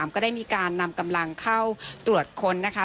ก็ได้มีการนำกำลังเข้าตรวจค้นนะคะ